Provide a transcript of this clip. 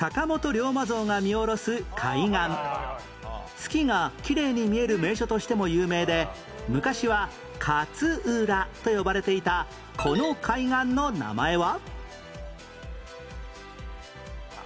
月がきれいに見える名所としても有名で昔は勝浦と呼ばれていたこの海岸の名前は？